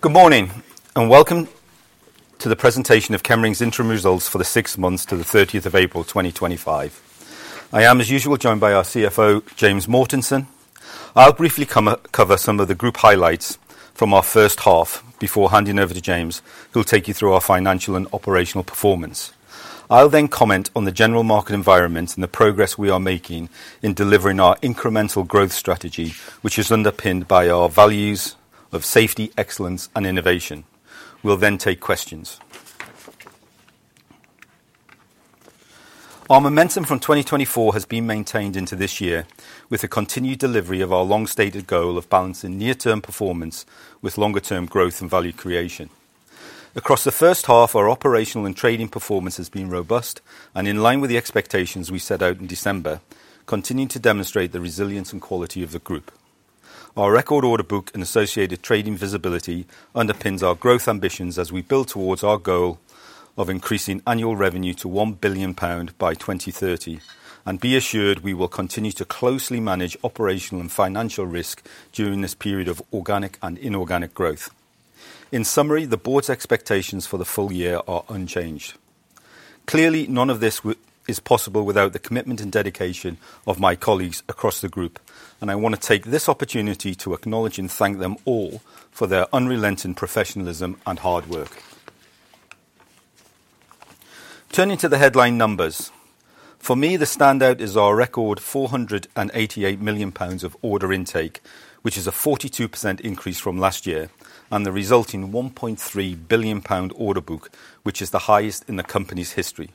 Good morning, and welcome to the presentation of Chemring's interim results for the six months to the 30th of April 2025. I am, as usual, joined by our CFO, James Mortensen. I'll briefly cover some of the group highlights from our first half before handing over to James, who'll take you through our financial and operational performance. I'll then comment on the general market environment and the progress we are making in delivering our incremental growth strategy, which is underpinned by our values of safety, excellence, and innovation. We'll then take questions. Our momentum from 2024 has been maintained into this year with the continued delivery of our long-stated goal of balancing near-term performance with longer-term growth and value creation. Across the first half, our operational and trading performance has been robust and in line with the expectations we set out in December, continuing to demonstrate the resilience and quality of the group. Our record order book and associated trading visibility underpins our growth ambitions as we build towards our goal of increasing annual revenue to 1 billion pound by 2030. Be assured, we will continue to closely manage operational and financial risk during this period of organic and inorganic growth. In summary, the board's expectations for the full year are unchanged. Clearly, none of this is possible without the commitment and dedication of my colleagues across the group, and I want to take this opportunity to acknowledge and thank them all for their unrelenting professionalism and hard work. Turning to the headline numbers, for me, the standout is our record 488 million pounds of order intake, which is a 42% increase from last year, and the resulting 1.3 billion pound order book, which is the highest in the company's history.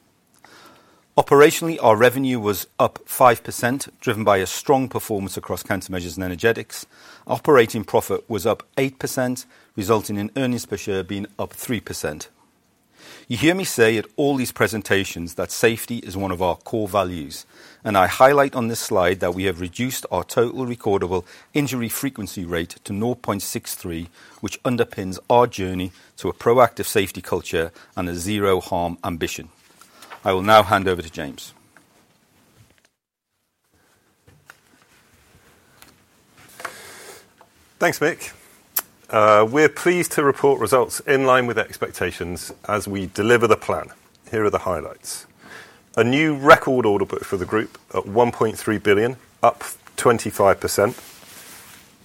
Operationally, our revenue was up 5%, driven by a strong performance across countermeasures and energetics. Operating profit was up 8%, resulting in earnings per share being up 3%. You hear me say at all these presentations that safety is one of our core values, and I highlight on this slide that we have reduced our Total Recordable Injury Frequency Rate to 0.63, which underpins our journey to a proactive safety culture and a zero-harm ambition. I will now hand over to James. Thanks, Mick. We're pleased to report results in line with expectations as we deliver the plan. Here are the highlights. A new record order book for the group at 1.3 billion, up 25%.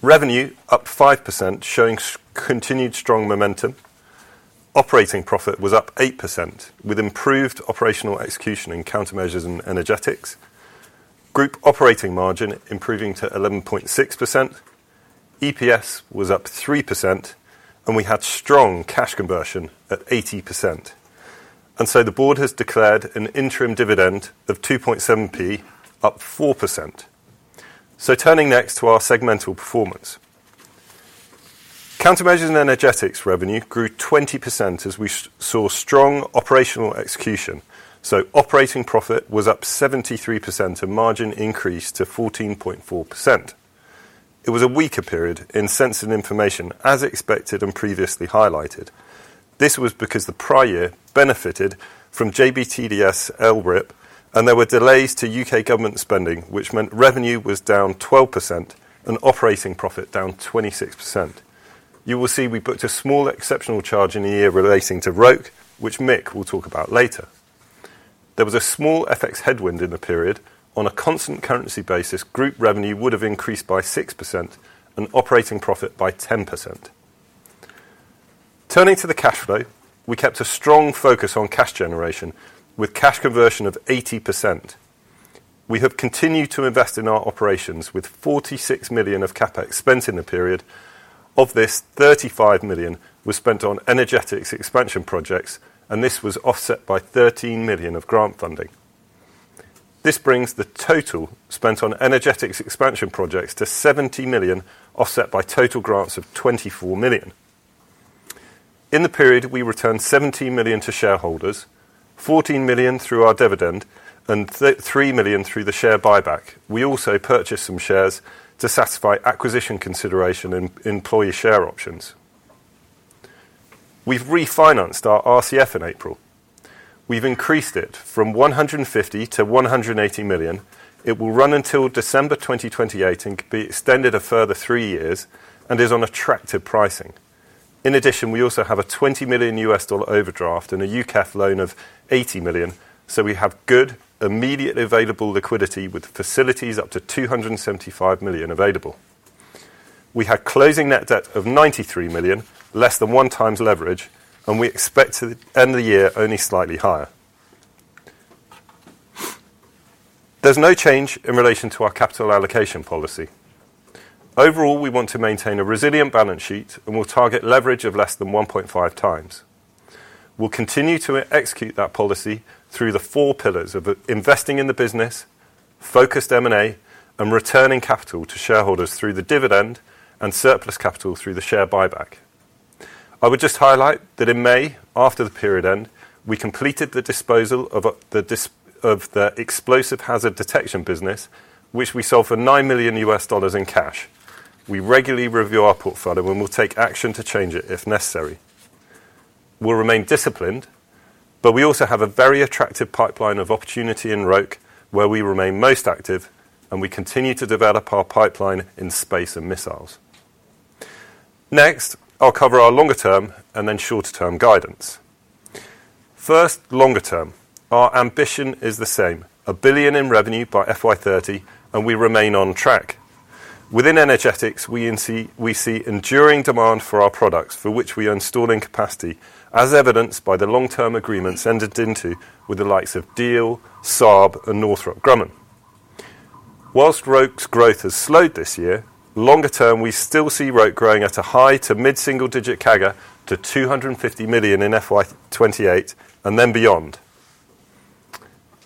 Revenue up 5%, showing continued strong momentum. Operating profit was up 8% with improved operational execution in countermeasures and energetics. Group operating margin improving to 11.6%. EPS was up 3%, and we had strong cash conversion at 80%. The board has declared an interim dividend of 0.027, up 4%. Turning next to our segmental performance. Countermeasures and energetics revenue grew 20% as we saw strong operational execution. Operating profit was up 73%, a margin increase to 14.4%. It was a weaker period in sensitive information, as expected and previously highlighted. This was because the prior year benefited from JBTDS LRIP, and there were delays to U.K. government spending, which meant revenue was down 12% and operating profit down 26%. You will see we booked a small exceptional charge in the year relating to Roke, which Mick will talk about later. There was a small FX headwind in the period. On a constant currency basis, group revenue would have increased by 6% and operating profit by 10%. Turning to the cash flow, we kept a strong focus on cash generation with cash conversion of 80%. We have continued to invest in our operations with 46 million of CapEx spent in the period. Of this, 35 million was spent on energetics expansion projects, and this was offset by 13 million of grant funding. This brings the total spent on energetics expansion projects to 70 million, offset by total grants of 24 million. In the period, we returned 17 million to shareholders, 14 million through our dividend, and 3 million through the share buyback. We also purchased some shares to satisfy acquisition consideration and employee share options. We've refinanced our RCF in April. We've increased it from 150 million to 180 million. It will run until December 2028 and can be extended a further three years and is on attractive pricing. In addition, we also have a $20 million overdraft and a UKEF loan of 80 million, so we have good immediately available liquidity with facilities up to 275 million available. We have closing net debt of 93 million, less than one time's leverage, and we expect to end the year only slightly higher. There's no change in relation to our capital allocation policy. Overall, we want to maintain a resilient balance sheet and will target leverage of less than 1.5 times. We'll continue to execute that policy through the four pillars of investing in the business, focused M&A, and returning capital to shareholders through the dividend and surplus capital through the share buyback. I would just highlight that in May, after the period end, we completed the disposal of the explosive hazard detection business, which we sold for $9 million in cash. We regularly review our portfolio and will take action to change it if necessary. We'll remain disciplined, but we also have a very attractive pipeline of opportunity in Roke where we remain most active, and we continue to develop our pipeline in space and missiles. Next, I'll cover our longer term and then shorter term guidance. First, longer term. Our ambition is the same: a billion in revenue by FY2030, and we remain on track. Within energetics, we see enduring demand for our products, for which we are installing capacity, as evidenced by the long-term agreements entered into with the likes of Diehl, Saab, and Northrop Grumman. Whilst Roke's growth has slowed this year, longer term, we still see Roke growing at a high to mid-single digit CAGR to 250 million in FY2028 and then beyond.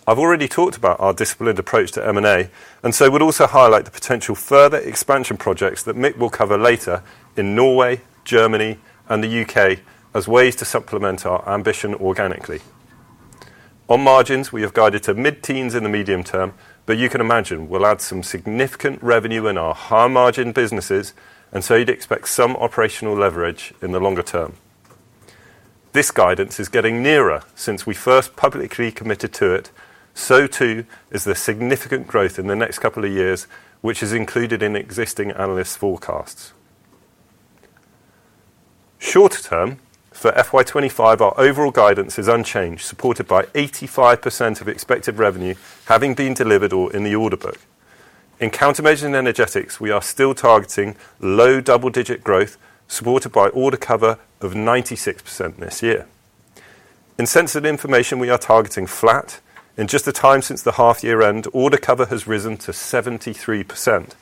I've already talked about our disciplined approach to M&A, and so would also highlight the potential further expansion projects that Mick will cover later in Norway, Germany, and the U.K. as ways to supplement our ambition organically. On margins, we have guided to mid-teens in the medium term, but you can imagine we'll add some significant revenue in our high margin businesses, and so you'd expect some operational leverage in the longer term. This guidance is getting nearer since we first publicly committed to it, so too is the significant growth in the next couple of years, which is included in existing analysts' forecasts. Shorter term, for FY2025, our overall guidance is unchanged, supported by 85% of expected revenue having been delivered or in the order book. In countermeasures and energetics, we are still targeting low double-digit growth, supported by order cover of 96% this year. In sensitive information, we are targeting flat, and just the time since the half-year end, order cover has risen to 73%.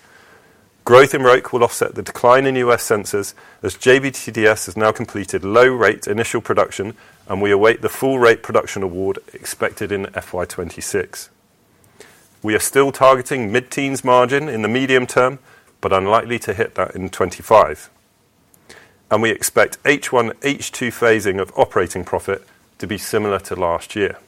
Growth in Roke will offset the decline in US sensors as JBTDS has now completed low-rate initial production, and we await the full-rate production award expected in FY2026. We are still targeting mid-teens margin in the medium term, but unlikely to hit that in 2025. We expect H1, H2 phasing of operating profit to be similar to last year.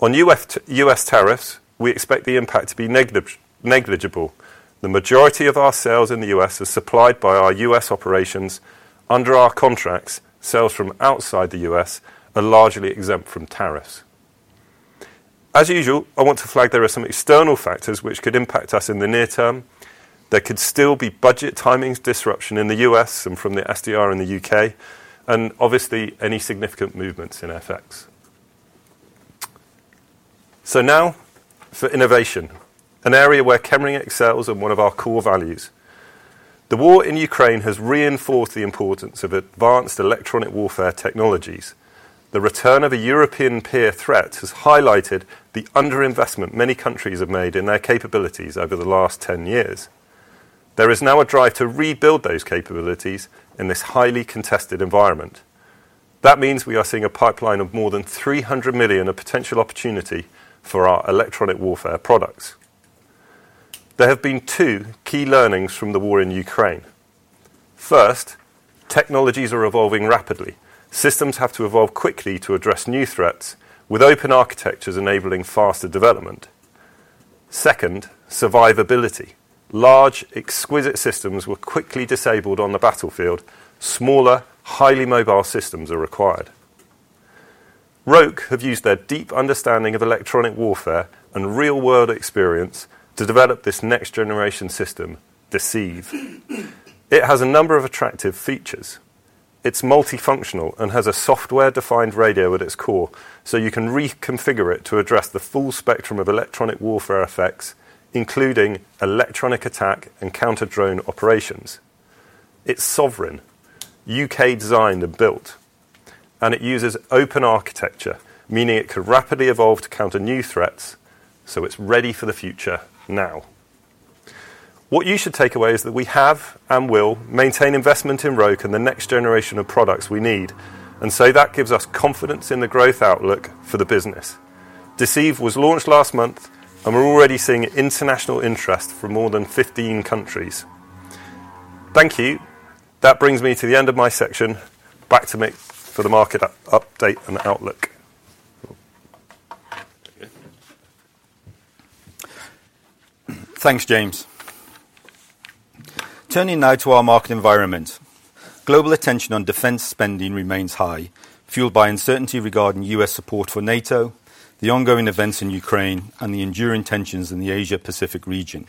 On U.S. tariffs, we expect the impact to be negligible. The majority of our sales in the U.S. are supplied by our U.S. operations. Under our contracts, sales from outside the U.S. are largely exempt from tariffs. As usual, I want to flag there are some external factors which could impact us in the near term. There could still be budget timings disruption in the U.S. and from the SDR in the U.K., and obviously any significant movements in FX. Now for innovation, an area where Chemring excels and one of our core values. The war in Ukraine has reinforced the importance of advanced electronic warfare technologies. The return of a European peer threat has highlighted the underinvestment many countries have made in their capabilities over the last 10 years. There is now a drive to rebuild those capabilities in this highly contested environment. That means we are seeing a pipeline of more than 300 million of potential opportunity for our electronic warfare products. There have been two key learnings from the war in Ukraine. First, technologies are evolving rapidly. Systems have to evolve quickly to address new threats, with open architectures enabling faster development. Second, survivability. Large, exquisite systems were quickly disabled on the battlefield. Smaller, highly mobile systems are required. Roke have used their deep understanding of electronic warfare and real-world experience to develop this next-generation system, Deceive. It has a number of attractive features. It's multifunctional and has a software-defined radio at its core, so you can reconfigure it to address the full spectrum of electronic warfare effects, including electronic attack and counter-drone operations. It's sovereign, U.K. designed and built, and it uses open architecture, meaning it could rapidly evolve to counter new threats, so it's ready for the future now. What you should take away is that we have and will maintain investment in Roke and the next generation of products we need, and so that gives us confidence in the growth outlook for the business. Deceive was launched last month, and we're already seeing international interest from more than 15 countries. Thank you. That brings me to the end of my section. Back to Mick for the market update and outlook. Thanks, James. Turning now to our market environment. Global attention on defense spending remains high, fueled by uncertainty regarding U.S. support for NATO, the ongoing events in Ukraine, and the enduring tensions in the Asia-Pacific region.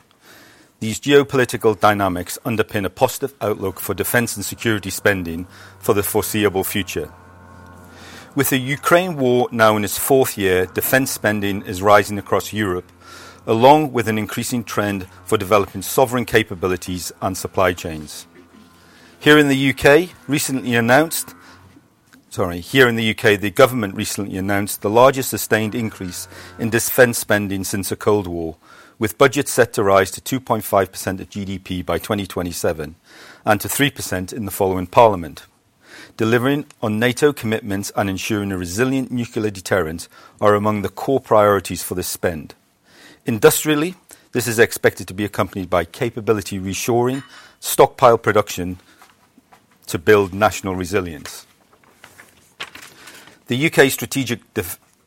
These geopolitical dynamics underpin a positive outlook for defense and security spending for the foreseeable future. With the Ukraine war now in its fourth year, defense spending is rising across Europe, along with an increasing trend for developing sovereign capabilities and supply chains. Here in the U.K., the government recently announced the largest sustained increase in defense spending since the Cold War, with budgets set to rise to 2.5% of GDP by 2027 and to 3% in the following parliament. Delivering on NATO commitments and ensuring a resilient nuclear deterrent are among the core priorities for this spend. Industrially, this is expected to be accompanied by capability reshoring, stockpile production to build national resilience. The U.K. Strategic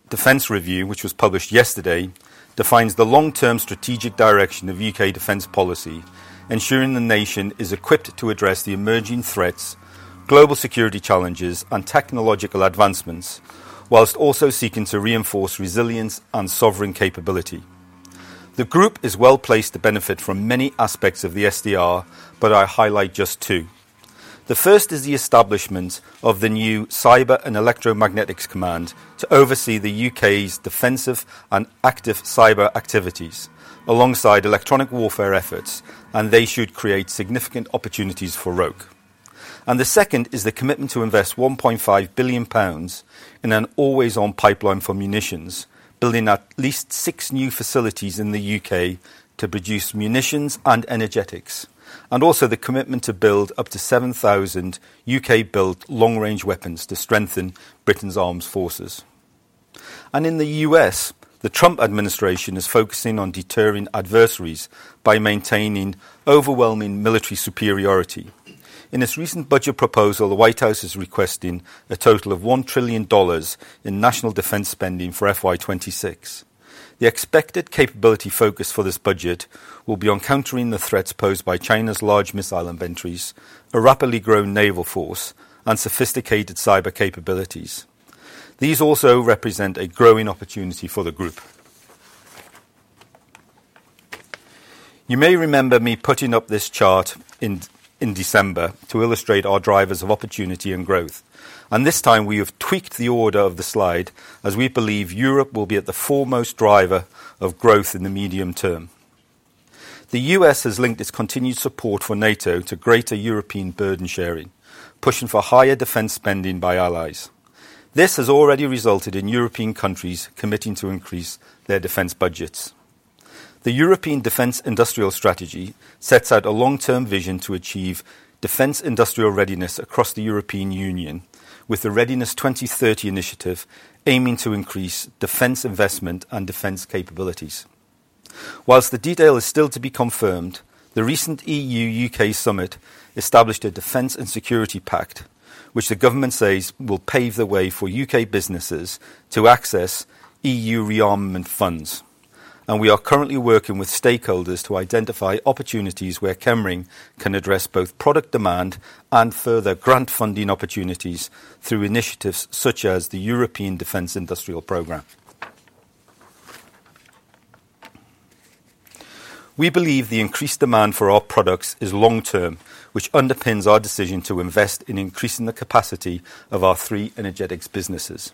Defense Review, which was published yesterday, defines the long-term strategic direction of U.K. defense policy, ensuring the nation is equipped to address the emerging threats, global security challenges, and technological advancements, whilst also seeking to reinforce resilience and sovereign capability. The group is well placed to benefit from many aspects of the SDR, but I highlight just two. The first is the establishment of the new Cyber and Electromagnetic Activities Command to oversee the U.K.'s defensive and active cyber activities alongside electronic warfare efforts, and they should create significant opportunities for Roke. The second is the commitment to invest 1.5 billion pounds in an always-on pipeline for munitions, building at least six new facilities in the U.K. to produce munitions and energetics, and also the commitment to build up to 7,000 U.K.-built long-range weapons to strengthen Britain's armed forces. In the U.S., the Trump administration is focusing on deterring adversaries by maintaining overwhelming military superiority. In its recent budget proposal, the White House is requesting a total of $1 trillion in national defense spending for FY26. The expected capability focus for this budget will be on countering the threats posed by China's large missile inventories, a rapidly growing naval force, and sophisticated cyber capabilities. These also represent a growing opportunity for the group. You may remember me putting up this chart in December to illustrate our drivers of opportunity and growth. This time, we have tweaked the order of the slide as we believe Europe will be the foremost driver of growth in the medium term. The U.S. has linked its continued support for NATO to greater European burden sharing, pushing for higher defense spending by allies. This has already resulted in European countries committing to increase their defense budgets. The European Defense Industrial Strategy sets out a long-term vision to achieve defense industrial readiness across the European Union, with the Readiness 2030 initiative aiming to increase defense investment and defense capabilities. Whilst the detail is still to be confirmed, the recent EU-U.K. summit established a defense and security pact, which the government says will pave the way for U.K. businesses to access EU rearmament funds. We are currently working with stakeholders to identify opportunities where Chemring can address both product demand and further grant funding opportunities through initiatives such as the European Defense Industrial Program. We believe the increased demand for our products is long-term, which underpins our decision to invest in increasing the capacity of our three energetics businesses.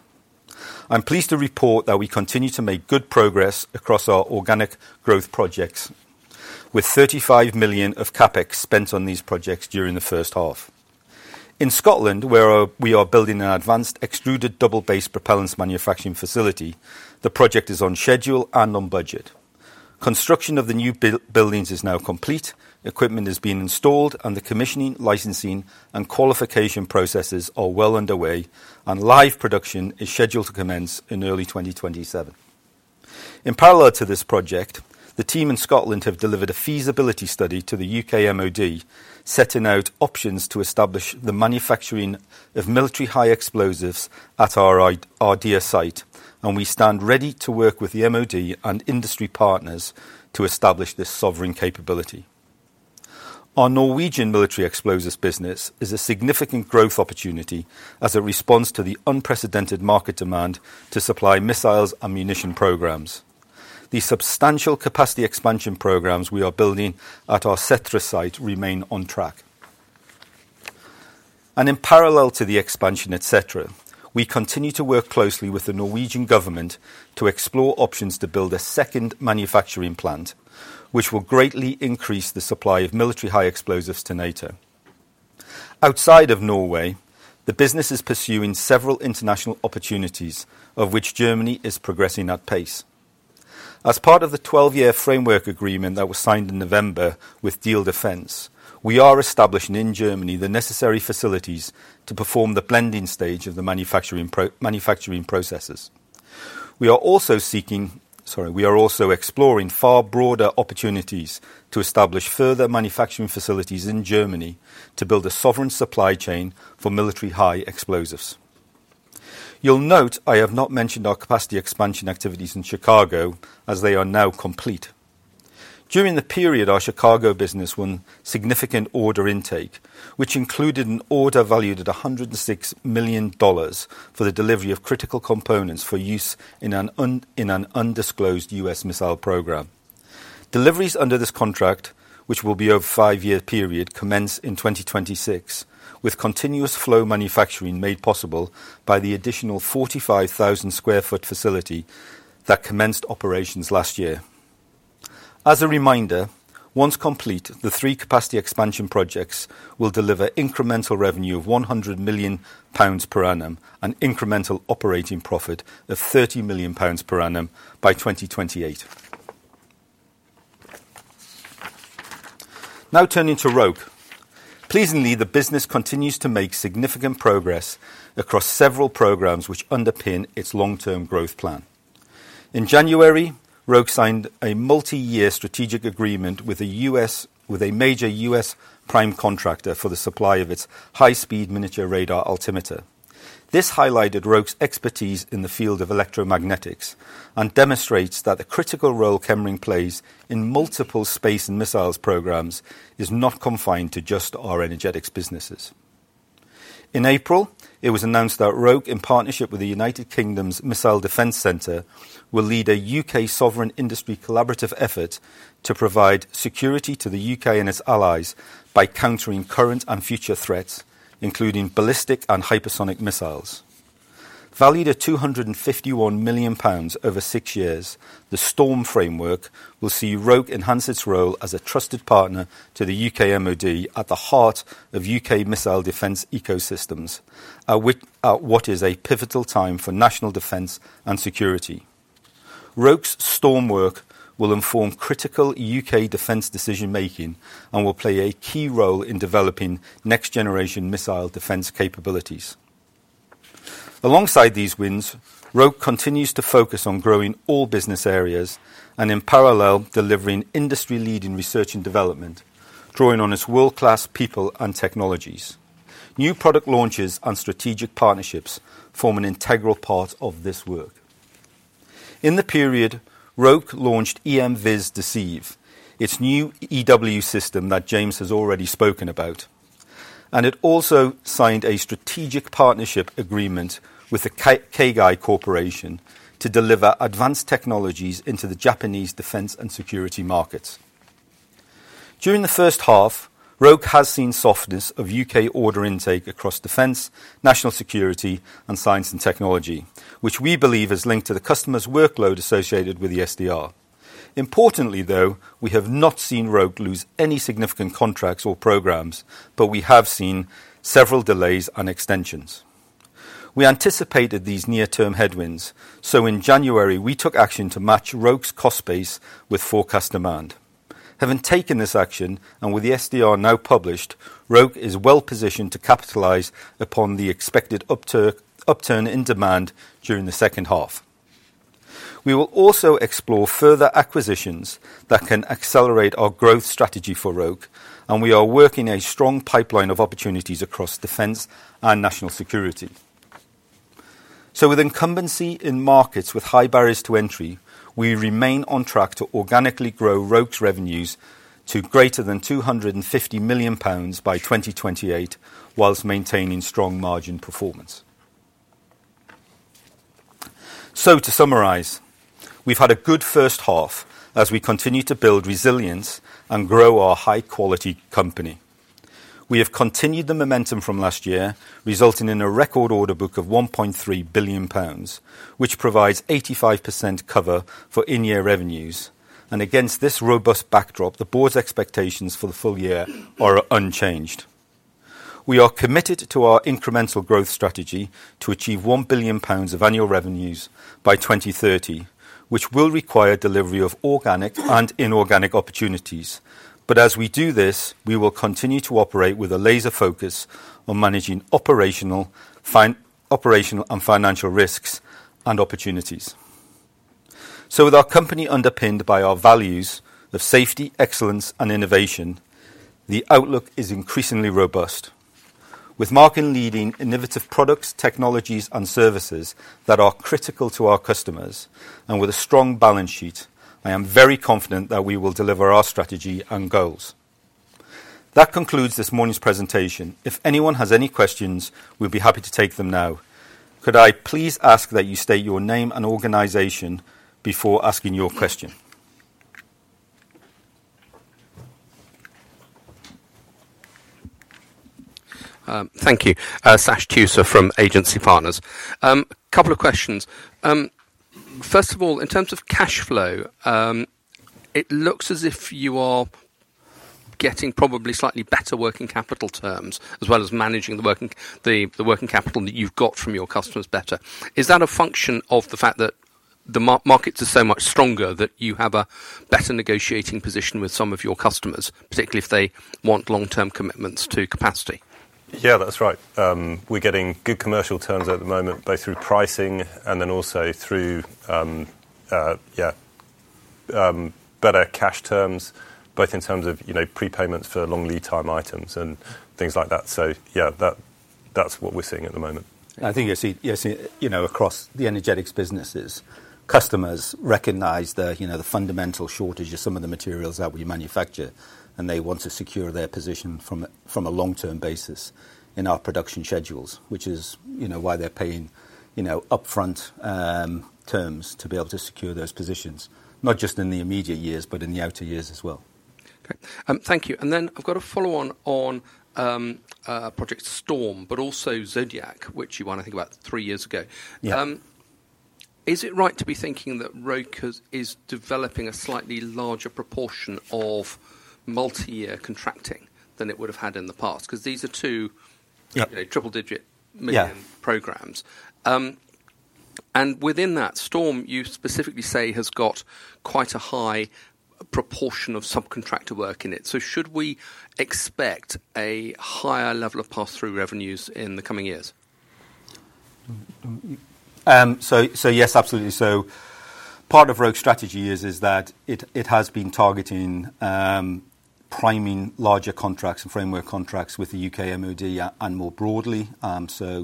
I'm pleased to report that we continue to make good progress across our organic growth projects, with 35 million of CapEx spent on these projects during the first half. In Scotland, where we are building an advanced extruded double-base propellants manufacturing facility, the project is on schedule and on budget. Construction of the new buildings is now complete, equipment is being installed, and the commissioning, licensing, and qualification processes are well underway, and live production is scheduled to commence in early 2027. In parallel to this project, the team in Scotland have delivered a feasibility study to the U.K. MoD, setting out options to establish the manufacturing of military high explosives at our RDA site, and we stand ready to work with the MoD and industry partners to establish this sovereign capability. Our Norwegian military explosives business is a significant growth opportunity as it responds to the unprecedented market demand to supply missiles and munition programs. The substantial capacity expansion programs we are building at our SETRA site remain on track. In parallel to the expansion at SETRA, we continue to work closely with the Norwegian government to explore options to build a second manufacturing plant, which will greatly increase the supply of military high explosives to NATO. Outside of Norway, the business is pursuing several international opportunities, of which Germany is progressing at pace. As part of the 12-year framework agreement that was signed in November with Diehl Defence, we are establishing in Germany the necessary facilities to perform the blending stage of the manufacturing processes. We are also seeking—sorry, we are also exploring far broader opportunities to establish further manufacturing facilities in Germany to build a sovereign supply chain for military high explosives. You'll note I have not mentioned our capacity expansion activities in Chicago, as they are now complete. During the period, our Chicago business won significant order intake, which included an order valued at $106 million for the delivery of critical components for use in an undisclosed US missile program. Deliveries under this contract, which will be over a five-year period, commence in 2026, with continuous flow manufacturing made possible by the additional 45,000 sq ft facility that commenced operations last year. As a reminder, once complete, the three capacity expansion projects will deliver incremental revenue of GBP 100 million per annum and incremental operating profit of GBP 30 million per annum by 2028. Now turning to Roke. Pleasingly, the business continues to make significant progress across several programs which underpin its long-term growth plan. In January, Roke signed a multi-year strategic agreement with a major US prime contractor for the supply of its high-speed miniature radar altimeter. This highlighted Roke's expertise in the field of electromagnetics and demonstrates that the critical role Chemring plays in multiple space and missiles programs is not confined to just our energetics businesses. In April, it was announced that Roke, in partnership with the U.K.'s Missile Defense Centre, will lead a U.K. sovereign industry collaborative effort to provide security to the U.K. and its allies by countering current and future threats, including ballistic and hypersonic missiles. Valued at 251 million pounds over six years, the STORM framework will see Roke enhance its role as a trusted partner to the U.K. MoD at the heart of U.K. missile defense ecosystems, at what is a pivotal time for national defense and security. Roke's STORM work will inform critical U.K. defense decision-making and will play a key role in developing next-generation missile defense capabilities. Alongside these wins, Roke continues to focus on growing all business areas and, in parallel, delivering industry-leading research and development, drawing on its world-class people and technologies. New product launches and strategic partnerships form an integral part of this work. In the period, Roke launched EMBD Deceive, its new EW system that James has already spoken about, and it also signed a strategic partnership agreement with the KGI Corporation to deliver advanced technologies into the Japanese defense and security markets. During the first half, Roke has seen softness of U.K. order intake across defense, national security, and science and technology, which we believe is linked to the customer's workload associated with the SDR. Importantly, though, we have not seen Roke lose any significant contracts or programs, but we have seen several delays and extensions. We anticipated these near-term headwinds, so in January, we took action to match Roke's cost base with forecast demand. Having taken this action and with the SDR now published, Roke is well positioned to capitalize upon the expected upturn in demand during the second half. We will also explore further acquisitions that can accelerate our growth strategy for Roke, and we are working a strong pipeline of opportunities across defense and national security. With incumbency in markets with high barriers to entry, we remain on track to organically grow Roke's revenues to greater than 250 million pounds by 2028, whilst maintaining strong margin performance. To summarize, we've had a good first half as we continue to build resilience and grow our high-quality company. We have continued the momentum from last year, resulting in a record order book of 1.3 billion pounds, which provides 85% cover for in-year revenues. Against this robust backdrop, the board's expectations for the full year are unchanged. We are committed to our incremental growth strategy to achieve 1 billion pounds of annual revenues by 2030, which will require delivery of organic and inorganic opportunities. As we do this, we will continue to operate with a laser focus on managing operational and financial risks and opportunities. With our company underpinned by our values of safety, excellence, and innovation, the outlook is increasingly robust. With Mark in leading innovative products, technologies, and services that are critical to our customers, and with a strong balance sheet, I am very confident that we will deliver our strategy and goals. That concludes this morning's presentation. If anyone has any questions, we'd be happy to take them now. Could I please ask that you state your name and organization before asking your question? Thank you. Sash Tusa from Agency Partners. A couple of questions. First of all, in terms of cash flow, it looks as if you are getting probably slightly better working capital terms, as well as managing the working capital that you've got from your customers better. Is that a function of the fact that the markets are so much stronger that you have a better negotiating position with some of your customers, particularly if they want long-term commitments to capacity? Yeah, that's right. We're getting good commercial terms at the moment, both through pricing and then also through, yeah, better cash terms, both in terms of prepayments for long lead time items and things like that. Yeah, that's what we're seeing at the moment.I think you're seeing, you know, across the energetics businesses, customers recognize the fundamental shortage of some of the materials that we manufacture, and they want to secure their position from a long-term basis in our production schedules, which is why they're paying upfront terms to be able to secure those positions, not just in the immediate years, but in the outer years as well. Okay. Thank you. I have a follow-on on Project STORM, but also Zodiac, which you want to think about three years ago. Is it right to be thinking that Roke is developing a slightly larger proportion of multi-year contracting than it would have had in the past? Because these are two triple-digit million programs. Within that, STORM, you specifically say, has quite a high proportion of subcontractor work in it. Should we expect a higher level of pass-through revenues in the coming years? Yes, absolutely. Part of Roke's strategy is that it has been targeting priming larger contracts and framework contracts with the U.K. MoD and more broadly.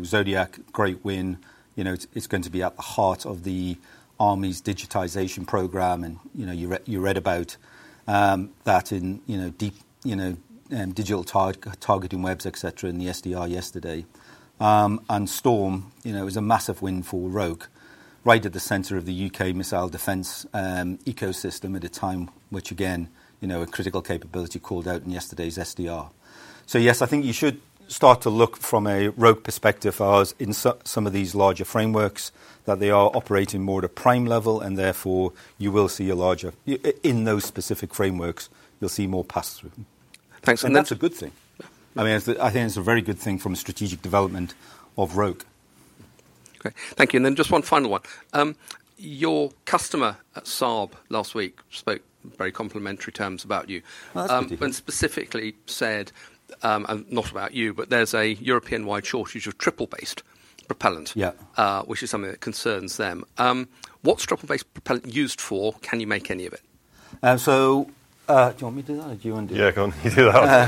Zodiac, great win. It is going to be at the heart of the Army's digitization program. You read about that in deep digital targeting webs, etc., in the Strategic Defense Review yesterday. STORM is a massive win for Roke, right at the center of the U.K. missile defense ecosystem at a time which, again, a critical capability called out in yesterday's SDR. Yes, I think you should start to look from a Roke perspective as in some of these larger frameworks that they are operating more at a prime level, and therefore you will see a larger in those specific frameworks, you'll see more pass-through. That is a good thing. I think it's a very good thing from a strategic development of Roke. Okay. Thank you. And then just one final one. Your customer at Saab last week spoke very complimentary terms about you and specifically said, not about you, but there's a European-wide shortage of triple-based propellant, which is something that concerns them. What's triple-based propellant used for? Can you make any of it? Do you want me to do that or do you want to do that? Yeah, go on. You do that.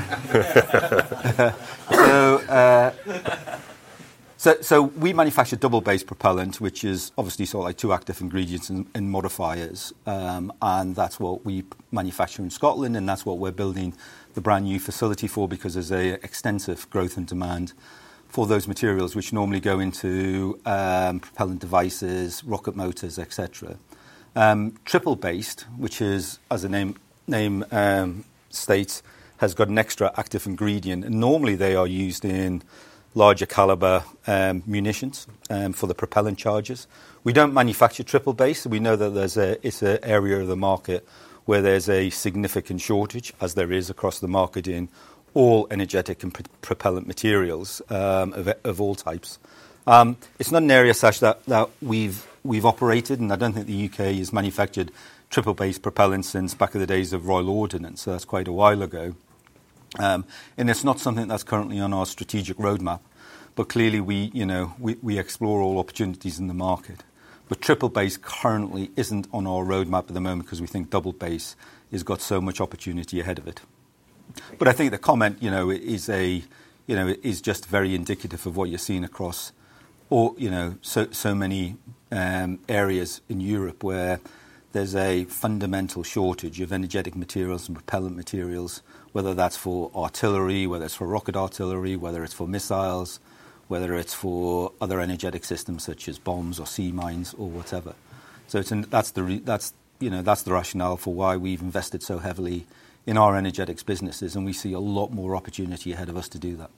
We manufacture double-based propellant, which is obviously sort of like two active ingredients and modifiers. That is what we manufacture in Scotland, and that is what we are building the brand new facility for, because there is an extensive growth and demand for those materials, which normally go into propellant devices, rocket motors, etc. Triple-based, which is, as the name states, has got an extra active ingredient. Normally they are used in larger caliber munitions for the propellant charges. We do not manufacture triple-based. We know that it is an area of the market where there is a significant shortage, as there is across the market in all energetic and propellant materials of all types. It's not an area that we've operated, and I don't think the U.K. has manufactured triple-based propellant since back in the days of Royal Ordnance. That's quite a while ago. It's not something that's currently on our strategic roadmap, but clearly we explore all opportunities in the market. Triple-based currently isn't on our roadmap at the moment because we think double-based has got so much opportunity ahead of it. I think the comment is just very indicative of what you're seeing across so many areas in Europe where there's a fundamental shortage of energetic materials and propellant materials, whether that's for artillery, whether it's for rocket artillery, whether it's for missiles, whether it's for other energetic systems such as bombs or sea mines or whatever. That's the rationale for why we've invested so heavily in our energetics businesses, and we see a lot more opportunity ahead of us to do that.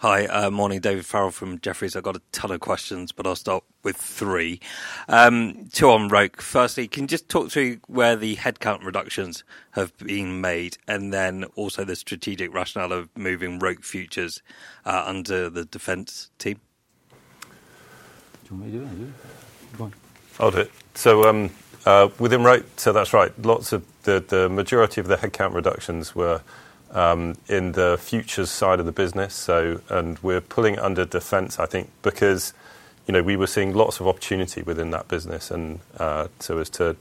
Thank you. Hi, morning. David Ferrell from Jefferies. I've got a ton of questions, but I'll start with three. Two on Roke. Firstly, can you just talk through where the headcount reductions have been made, and then also the strategic rationale of moving Roke futures under the defense team? Do you want me to do that? I'll do it. Within Roke, that's right. The majority of the headcount reductions were in the futures side of the business. We're pulling under defense, I think, because we were seeing lots of opportunity within that business, and so as to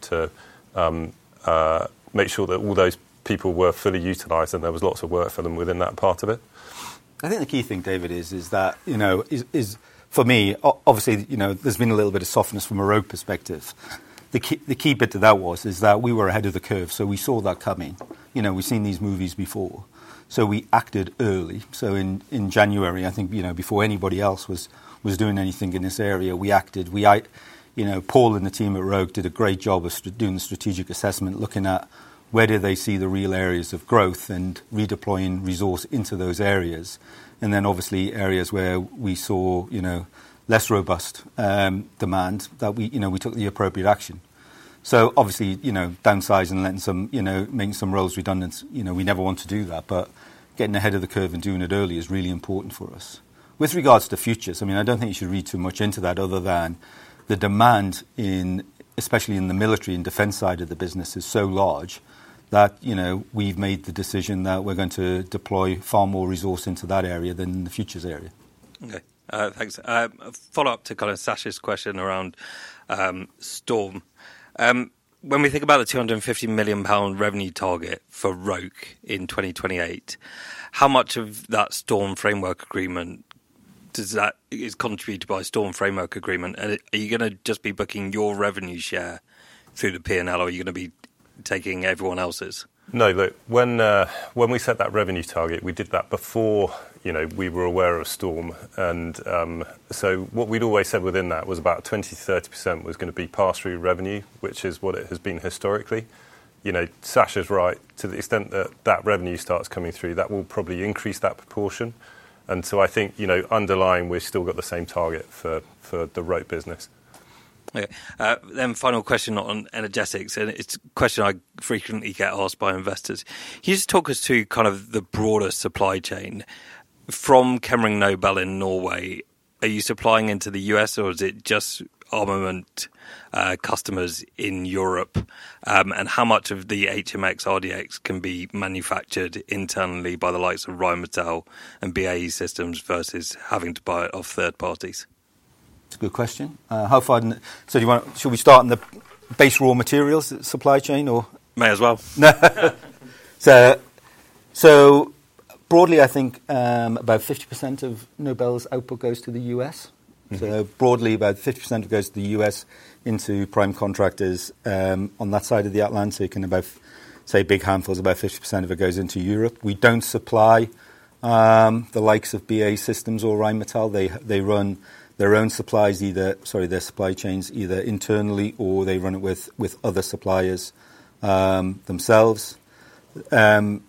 make sure that all those people were fully utilized and there was lots of work for them within that part of it. I think the key thing, David, is that for me, obviously, there has been a little bit of softness from a Roke perspective. The key bit to that was is that we were ahead of the curve, so we saw that coming. We have seen these movies before. We acted early. In January, I think before anybody else was doing anything in this area, we acted. Paul and the team at Roke did a great job of doing the strategic assessment, looking at where do they see the real areas of growth and redeploying resource into those areas. Obviously, areas where we saw less robust demand, we took the appropriate action. Downsizing and making some roles redundant, we never want to do that, but getting ahead of the curve and doing it early is really important for us. With regards to futures, I do not think you should read too much into that other than the demand, especially in the military and defense side of the business, is so large that we have made the decision that we are going to deploy far more resource into that area than the futures area. Okay. Thanks. Follow-up to kind of Sash's question around STORM. When we think about the 250 million pound revenue target for Roke in 2028, how much of that STORM framework agreement is contributed by STORM framework agreement? And are you going to just be booking your revenue share through the P&L, or are you going to be taking everyone else's? No, look, when we set that revenue target, we did that before we were aware of STORM. What we'd always said within that was about 20%-30% was going to be pass-through revenue, which is what it has been historically. Sash's right. To the extent that that revenue starts coming through, that will probably increase that proportion. I think underlying, we've still got the same target for the Roke business. Okay. Final question on energetics. It's a question I frequently get asked by investors. Can you just talk us through kind of the broader supply chain? From Chemring Nobel in Norway, are you supplying into the US, or is it just armament customers in Europe? How much of the HMX RDX can be manufactured internally by the likes of Rheinmetall and BAE Systems versus having to buy it off third parties? It's a good question. How far? Should we start in the base raw materials supply chain or? May as well. Broadly, I think about 50% of Noble's output goes to the US. Broadly, about 50% goes to the US into prime contractors on that side of the outline. You can about say big handfuls, about 50% of it goes into Europe. We do not supply the likes of BAE Systems or Rheinmetall. They run their own supply chains either internally or they run it with other suppliers themselves. The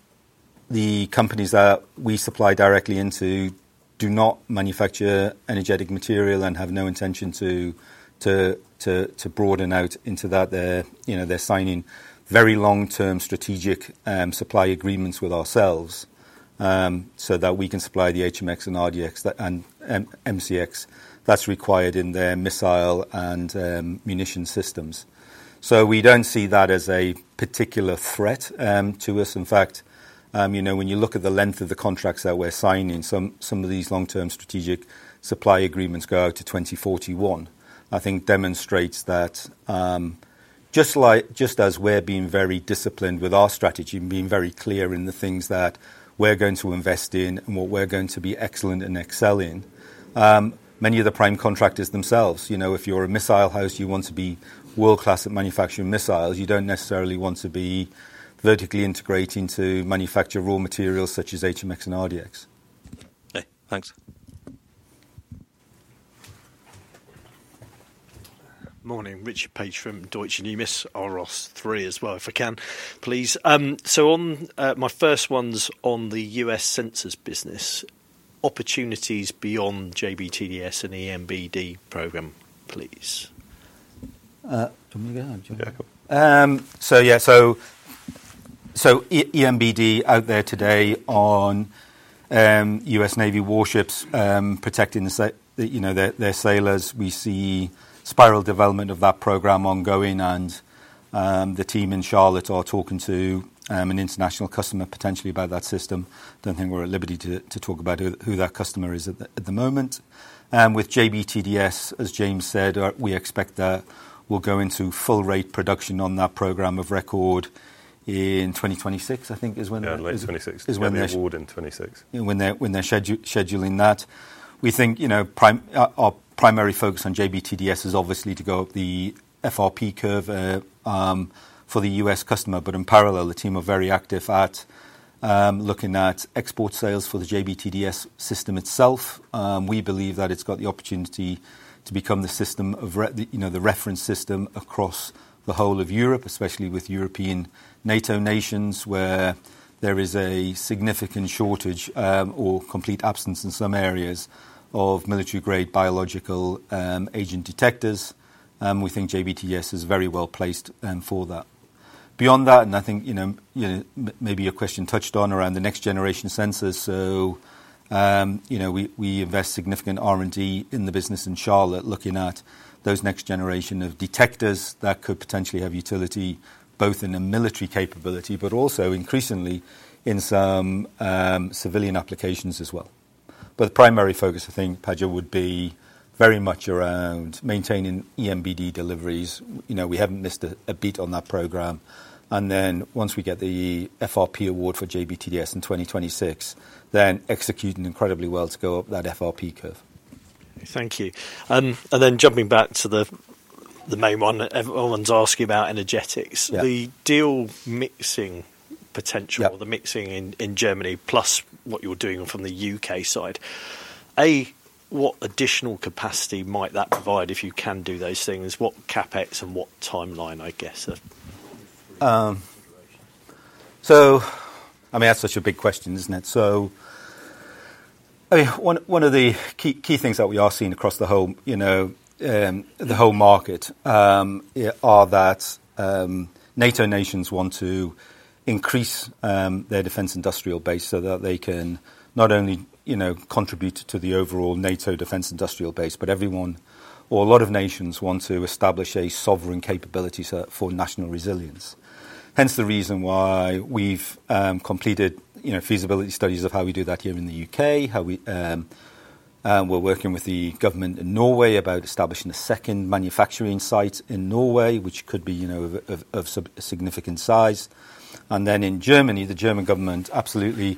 companies that we supply directly into do not manufacture energetic material and have no intention to broaden out into that. They are signing very long-term strategic supply agreements with ourselves so that we can supply the HMX and RDX and MCX that is required in their missile and munition systems. We do not see that as a particular threat to us. In fact, when you look at the length of the contracts that we're signing, some of these long-term strategic supply agreements go out to 2041. I think demonstrates that just as we're being very disciplined with our strategy and being very clear in the things that we're going to invest in and what we're going to be excellent and excel in, many of the prime contractors themselves, if you're a missile house, you want to be world-class at manufacturing missiles. You do not necessarily want to be vertically integrating to manufacture raw materials such as HMX and RDX. Okay. Thanks. Morning. Richard Paige from Deutsche Numis, ROS3 as well, if I can, please. My first one's on the US sensors business. Opportunities beyond JBTDS and EMBD program, please. Yeah, so EMBD out there today on US Navy warships protecting their sailors. We see spiral development of that program ongoing, and the team in Charlotte are talking to an international customer potentially about that system. I do not think we are at liberty to talk about who that customer is at the moment. With JBTDS, as James said, we expect that we will go into full-rate production on that program of record in 2026, I think is when they— Yeah, late 2026. It is really broad in 2026. When they are scheduling that. We think our primary focus on JBTDS is obviously to go up the FRP curve for the US customer, but in parallel, the team are very active at looking at export sales for the JBTDS system itself. We believe that it's got the opportunity to become the reference system across the whole of Europe, especially with European NATO nations where there is a significant shortage or complete absence in some areas of military-grade biological agent detectors. We think JBTDS is very well placed for that. Beyond that, and I think maybe your question touched on around the next generation sensors, so we invest significant R&D in the business in Charlotte looking at those next generation of detectors that could potentially have utility both in a military capability, but also increasingly in some civilian applications as well. The primary focus, I think, Padga, would be very much around maintaining EMBD deliveries. We haven't missed a beat on that program. Once we get the FRP award for JBTDS in 2026, then executing incredibly well to go up that FRP curve. Thank you. Jumping back to the main one, everyone's asking about energetics. The Diehl mixing potential, the mixing in Germany plus what you're doing from the U.K. side, what additional capacity might that provide if you can do those things? What CapEx and what timeline, I guess? I mean, that's such a big question, isn't it? I mean, one of the key things that we are seeing across the whole market are that NATO nations want to increase their defense industrial base so that they can not only contribute to the overall NATO defense industrial base, but everyone or a lot of nations want to establish a sovereign capability for national resilience. Hence the reason why we've completed feasibility studies of how we do that here in the U.K., how we're working with the government in Norway about establishing a second manufacturing site in Norway, which could be of significant size. In Germany, the German government absolutely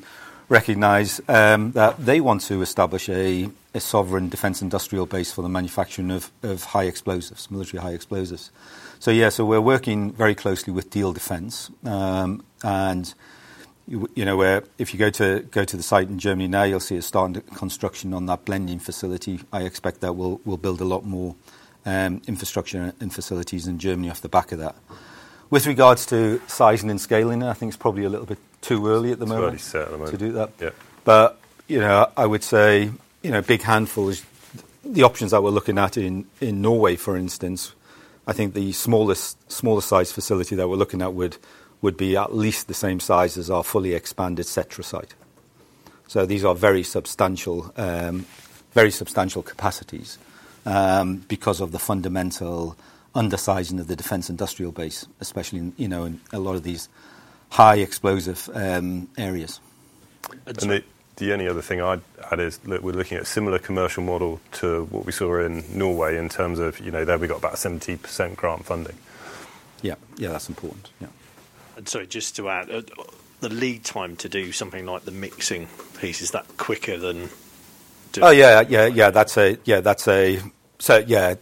recognized that they want to establish a sovereign defense industrial base for the manufacturing of high explosives, military high explosives. Yeah, we're working very closely with Diehl Defence. If you go to the site in Germany now, you'll see a start in construction on that blending facility. I expect that we'll build a lot more infrastructure and facilities in Germany off the back of that. With regards to sizing and scaling, I think it's probably a little bit too early at the moment to do that. I would say big handful is the options that we're looking at in Norway, for instance. I think the smaller size facility that we're looking at would be at least the same size as our fully expanded SETRA site. These are very substantial capacities because of the fundamental undersizing of the defense industrial base, especially in a lot of these high explosive areas. The only other thing I'd add is we're looking at a similar commercial model to what we saw in Norway in terms of there we got about 70% grant funding. Yeah, yeah, that's important. Yeah. Sorry, just to add, the lead time to do something like the mixing piece, is that quicker than doing— Oh, yeah, yeah, yeah. Yeah, that's a—so, yeah.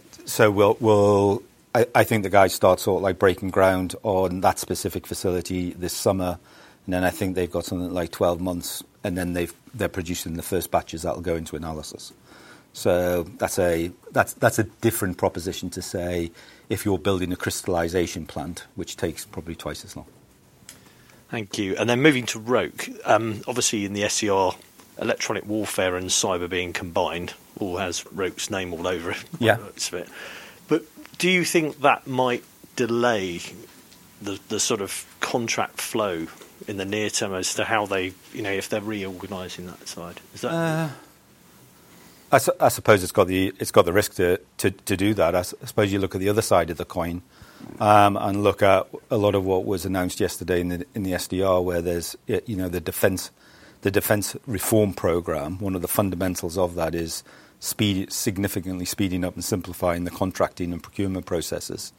I think the guys start sort of breaking ground on that specific facility this summer. I think they've got something like 12 months, and then they're producing the first batches that will go into analysis. That's a different proposition to say if you're building a crystallization plant, which takes probably twice as long. Thank you. Moving to Roke, obviously in the SER, electronic warfare and cyber being combined, all has Roke's name all over it. Do you think that might delay the sort of contract flow in the near term as to how they, if they're reorganizing that side? I suppose it's got the risk to do that. I suppose you look at the other side of the coin and look at a lot of what was announced yesterday in the SDR, where there's the defense reform program. One of the fundamentals of that is significantly speeding up and simplifying the contracting and procurement processes.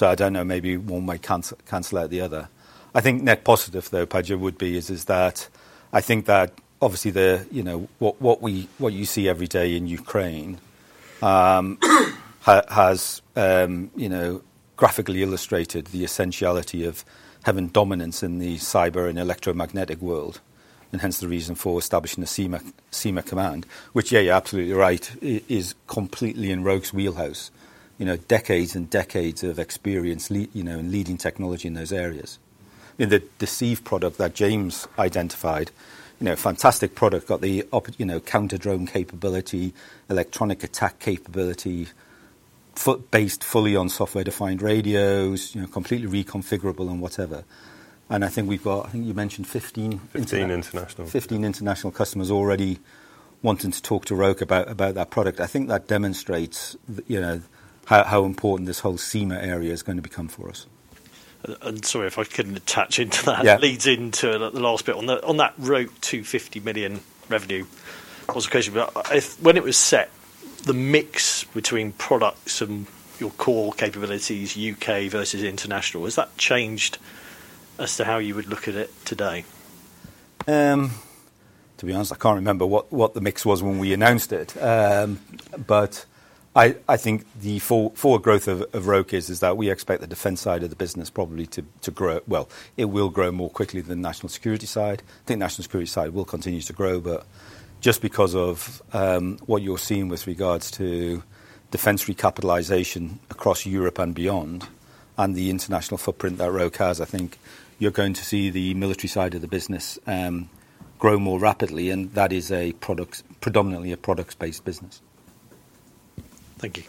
I don't know, maybe one might cancel out the other. I think net positive, though, Padga, would be is that I think that obviously what you see every day in Ukraine has graphically illustrated the essentiality of having dominance in the cyber and electromagnetic world. Hence the reason for establishing the CEMA command, which, yeah, you're absolutely right, is completely in Roke's wheelhouse. Decades and decades of experience in leading technology in those areas. The Deceive product that James identified, fantastic product, got the counter-drone capability, electronic attack capability, based fully on software-defined radios, completely reconfigurable and whatever. I think we've got, I think you mentioned 15—15 international. Fifteen international customers already wanting to talk to Roke about that product. I think that demonstrates how important this whole CEMA area is going to become for us. Sorry if I couldn't attach into that. Leads into the last bit on that Roke 250 million revenue was a question. When it was set, the mix between products and your core capabilities, U.K. versus international, has that changed as to how you would look at it today? To be honest, I can't remember what the mix was when we announced it. I think the forward growth of Roke is that we expect the defense side of the business probably to grow well. It will grow more quickly than the national security side. I think the national security side will continue to grow. Just because of what you're seeing with regards to defense recapitalization across Europe and beyond, and the international footprint that Roke has, I think you're going to see the military side of the business grow more rapidly. That is predominantly a products-based business. Thank you.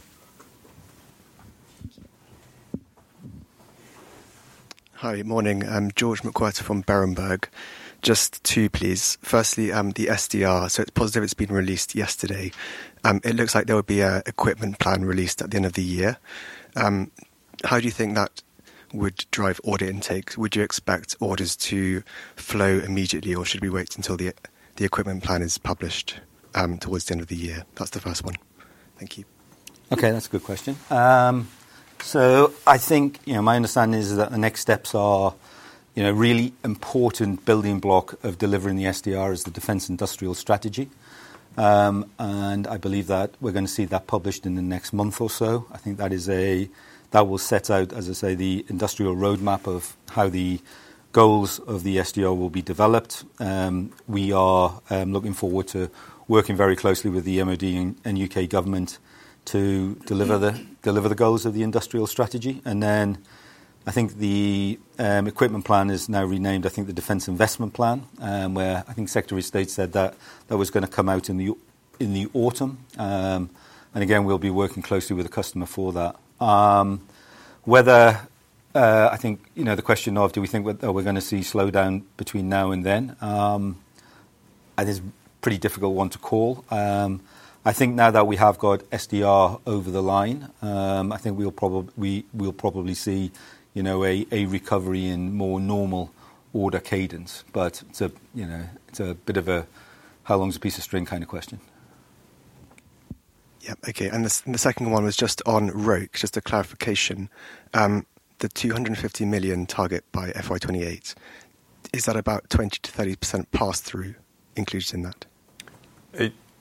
Hi, morning. I'm George Mc from Berenberg. Just two, please. Firstly, the SDR, so it's positive it's been released yesterday. It looks like there will be an equipment plan released at the end of the year. How do you think that would drive order intake? Would you expect orders to flow immediately, or should we wait until the equipment plan is published towards the end of the year? That's the first one. Thank you. Okay, that's a good question. I think my understanding is that the next steps are really important building block of delivering the SDR is the defense industrial strategy. I believe that we're going to see that published in the next month or so. I think that will set out, as I say, the industrial roadmap of how the goals of the SDR will be developed. We are looking forward to working very closely with the MOD and U.K. government to deliver the goals of the industrial strategy. I think the equipment plan is now renamed, I think, the defense investment plan, where I think Secretary of State said that that was going to come out in the autumn. Again, we'll be working closely with the customer for that. Whether I think the question of do we think we're going to see slowdown between now and then is a pretty difficult one to call. I think now that we have got SDR over the line, I think we'll probably see a recovery in more normal order cadence. It's a bit of a how long's a piece of string kind of question. Yep. Okay. The second one was just on Roke, just a clarification. The 250 million target by FY2028, is that about 20%-30% pass-through included in that?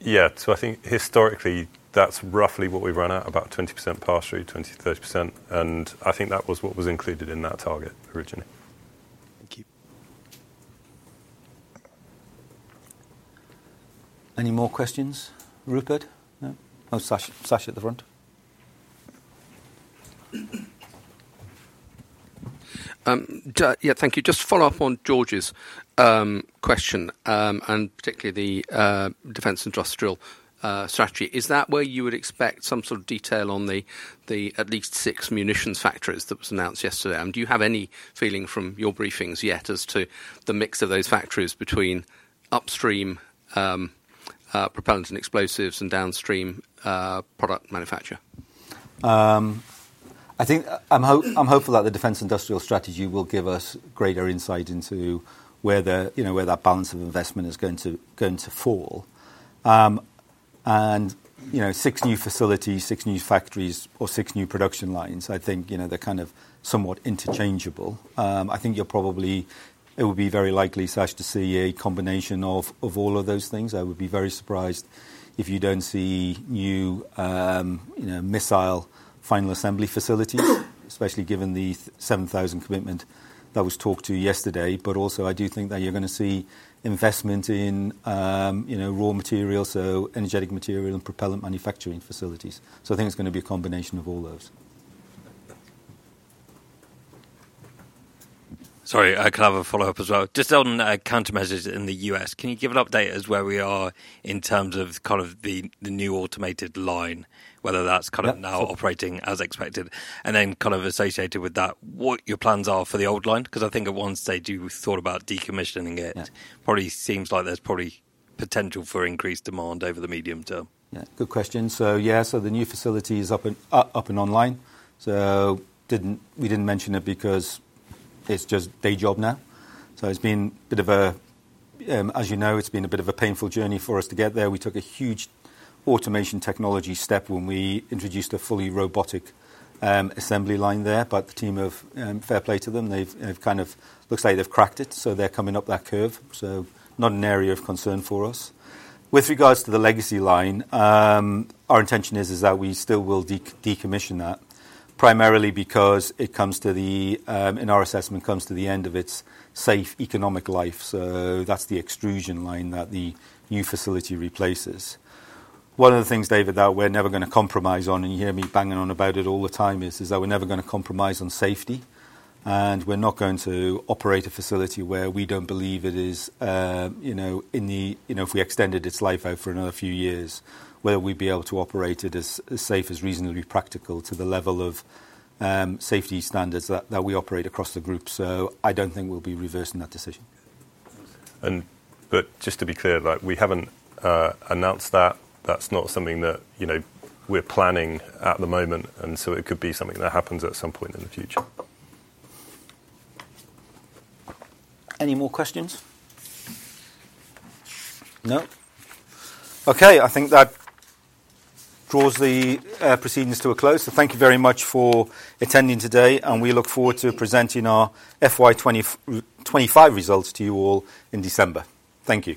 Yeah. I think historically, that's roughly what we've run at, about 20% pass-through, 20%-30%. I think that was what was included in that target originally. Thank you. Any more questions? Rupert? No. Oh, Sash at the front. Yeah, thank you. Just follow up on George's question, and particularly the defense industrial strategy. Is that where you would expect some sort of detail on the at-least-six munitions factories that was announced yesterday? Do you have any feeling from your briefings yet as to the mix of those factories between upstream propellants and explosives and downstream product manufacture? I think I'm hopeful that the defense industrial strategy will give us greater insight into where that balance of investment is going to fall. Six new facilities, six new factories, or six new production lines, I think they're kind of somewhat interchangeable. I think it would be very likely, Sash, to see a combination of all of those things. I would be very surprised if you do not see new missile final assembly facilities, especially given the 7,000 commitment that was talked to yesterday. I do think that you are going to see investment in raw materials, so energetic material and propellant manufacturing facilities. I think it is going to be a combination of all those. Sorry, I can have a follow-up as well. Just on countermeasures in the US, can you give an update as to where we are in terms of the new automated line, whether that is now operating as expected? And then associated with that, what your plans are for the old line? Because I think at one stage you thought about decommissioning it. Probably seems like there's probably potential for increased demand over the medium term. Yeah, good question. Yeah, the new facility is up and online. We did not mention it because it is just day job now. It has been a bit of a, as you know, it has been a bit of a painful journey for us to get there. We took a huge automation technology step when we introduced a fully robotic assembly line there. The team, fair play to them, it looks like they have cracked it. They are coming up that curve. Not an area of concern for us. With regards to the legacy line, our intention is that we still will decommission that, primarily because it comes to the, in our assessment, comes to the end of its safe economic life. That's the extrusion line that the new facility replaces. One of the things, David, that we're never going to compromise on, and you hear me banging on about it all the time, is that we're never going to compromise on safety. We're not going to operate a facility where we don't believe it is in the, if we extended its life out for another few years, whether we'd be able to operate it as safe as reasonably practical to the level of safety standards that we operate across the group. I don't think we'll be reversing that decision. Just to be clear, we haven't announced that. That's not something that we're planning at the moment. It could be something that happens at some point in the future. Any more questions? No? Okay. I think that draws the proceedings to a close. Thank you very much for attending today. We look forward to presenting our FY25 results to you all in December. Thank you.